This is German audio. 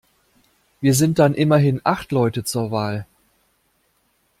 Wir sind dann immerhin acht Leute zur Wahl.